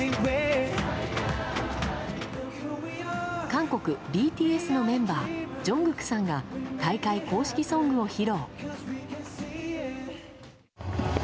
韓国、ＢＴＳのメンバージョングクさんが大会公式ソングを披露。